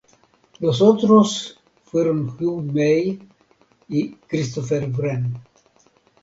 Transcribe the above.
Los otros fueron Hugh May y Christopher Wren.